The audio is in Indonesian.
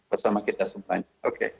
bersama kita semuanya oke